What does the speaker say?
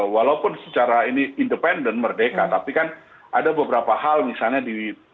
walaupun secara ini independen merdeka tapi kan ada beberapa hal misalnya di